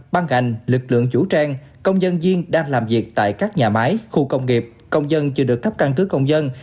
ban ngành lực lượng vũ trang công nhân viên đang làm việc tại các nhà máy khu công nghiệp công dân chưa được cấp căn cứ công dân